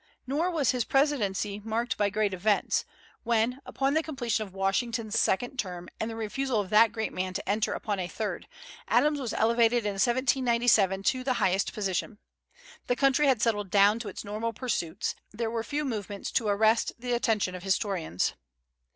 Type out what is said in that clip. Nor was his presidency marked by great events, when, upon the completion of Washington's second term, and the refusal of that great man to enter upon a third, Adams was elevated in 1797 to the highest position. The country had settled down to its normal pursuits. There were few movements to arrest the attention of historians.